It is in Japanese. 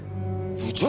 部長！